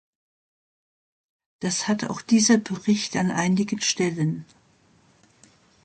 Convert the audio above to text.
Das hat auch dieser Bericht an einigen Stellen.